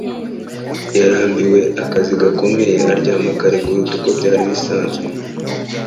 Yarambiwe akazi gakomeye aryama kare kuruta uko byari bisanzwe